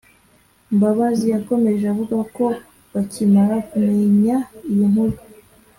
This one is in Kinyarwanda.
Mbabazi yakomeje avuga ko bakimara kumenya iyi nkuru